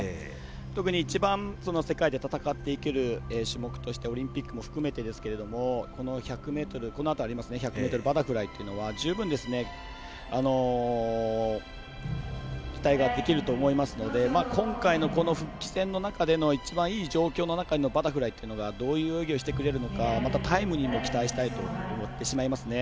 特に一番世界で戦っていける種目としてオリンピックも含めてですけどもこのあとある１００ｍバタフライというのは十分に期待ができると思いますので今回の復帰戦の中での一番いい状況の中でのバタフライというのはどういう泳ぎをしてくれるのかまた、タイムにも期待したいと思ってしまいますね。